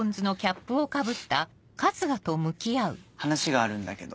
話があるんだけど。